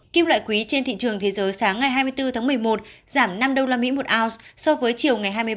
kim loại quý trên thị trường thế giới sáng ngày hai mươi bốn tháng một mươi một giảm năm usd một ounce so với chiều ngày hai mươi ba